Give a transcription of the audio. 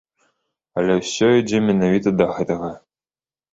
Але ўсё ідзе менавіта да гэтага.